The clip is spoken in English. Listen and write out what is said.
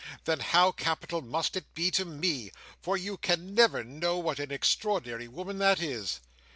"Then how capital must it be to Me! For you can never know what an extraordinary woman that is."